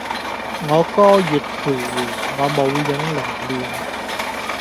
我歌月徘徊，我舞影零亂